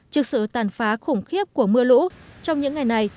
trước sự tàn phá khủng khiếp của mưa lũ trong những ngày này